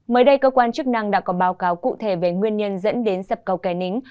mới đây cơ quan chức năng đã có báo cáo cụ thể về nguyên nhân dẫn đến sập cầu kè nính